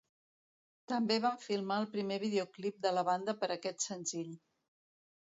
També van filmar el primer videoclip de la banda per aquest senzill.